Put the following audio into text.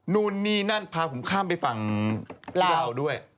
นู่นนี่นั่นพาผมข้ามไปฝั่งลาวด้วย